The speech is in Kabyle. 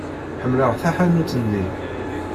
Ḥemmleɣ taḥanut-nni.